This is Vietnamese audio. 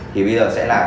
thì bây giờ sẽ là